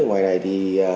ở ngoài này thì